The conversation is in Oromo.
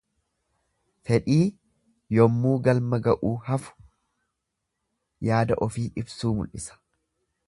Fedhii yemmuu galma ga'uu hafu yaada ofii ibsuu mul'isa.